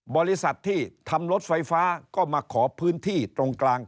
บริษัทที่ทำรถไฟฟ้าก็มาขอพื้นที่ตรงกลาง